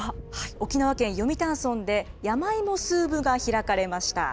沖縄県読谷村で、山芋スーブが開かれました。